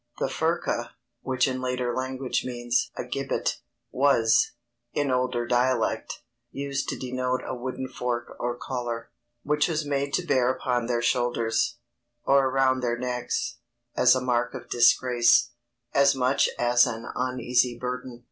The_ FURCA, _which in later language means a gibbet, was, in older dialect, used to denote a wooden fork or collar, which was made to bear upon their shoulders, or around their necks, as a mark of disgrace, as much as an uneasy burden.